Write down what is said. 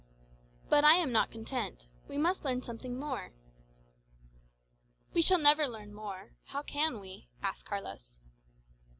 "But I am not content. We must learn something more." "We shall never learn more. How can we?" asked Carlos.